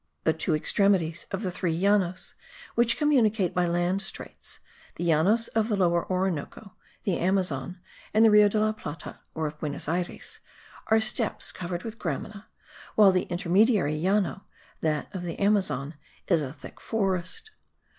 The two extremities of the three Llanos which communicate by land straits, the Llanos of the Lower Orinoco, the Amazon, and the Rio de la Plata or of Buenos Ayres, are steppes covered with gramina, while the intermediary Llano (that of the Amazon) is a thick forest.